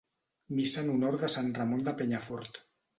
Missa en honor de Sant Ramon de Penyafort.